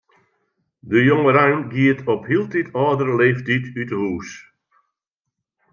De jongerein giet op hieltyd âldere leeftiid út 'e hûs.